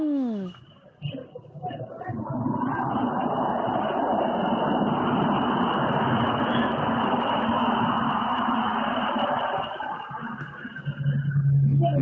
อืม